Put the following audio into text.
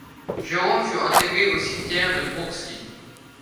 Jerome fut enterré au cimetière de Brooksville.